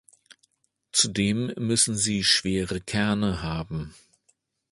Zudem müssen sie schwere Kerne haben.